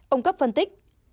ông cấp phân tích